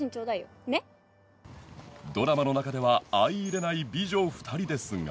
ドラマの中では相いれない美女２人ですが